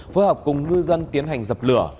phối hợp cùng ngư dân tiến hành dập lửa